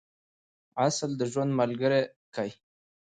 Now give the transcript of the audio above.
عسل د ژوند ملګری کئ.